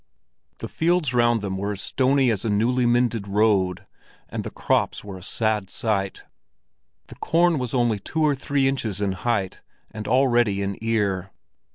The fields round them were as stony as a newly mended road, and the crops were a sad sight; the corn was only two or three inches in height, and already in ear.